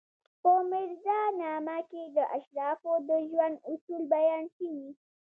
په میرزا نامه کې د اشرافو د ژوند اصول بیان شوي.